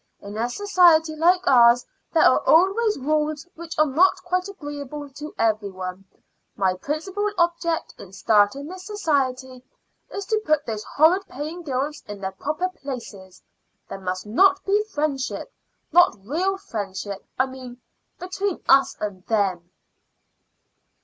"In a society like ours there are always rules which are not quite agreeable to every one. My principal object in starting this society is to put those horrid paying girls in their proper places. There must not be friendship not real friendship, I mean between us and them."